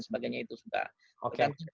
sebagainya itu sudah